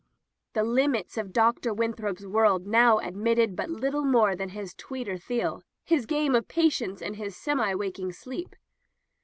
The limits of Dr. Winthrop's world now admitted but little more than his Zweiter Theil— his game of padence and his semi waking sleep.